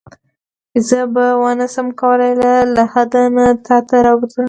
چې زه به ونه شم کولای له لحد نه تا ته راوګرځم.